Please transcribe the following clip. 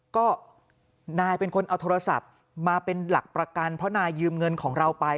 ก็นายเป็นคนเอาโทรศัพท์มาเป็นหลักประกันเพราะนายยืมเงินของเราไป